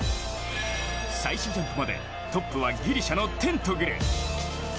最終ジャンプまでトップはギリシャのテントグル。